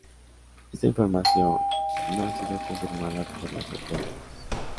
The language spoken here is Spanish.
Esta información no ha sido confirmada por las autoridades.